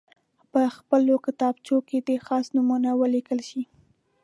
په خپلو کتابچو کې دې خاص نومونه ولیکل شي.